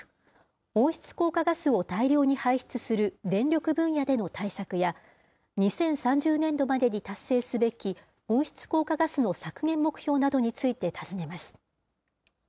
温室効果ガスを大量に排出する電力分野での対策や、２０３０年度までに達成すべき温室効果ガスの削減目標などについて尋ねます。